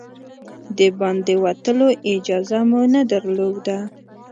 د باندې وتلو اجازه مو نه درلوده.